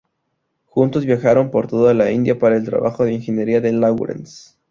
Juntos, viajaron por toda la India para el trabajo de ingeniería de Lawrence.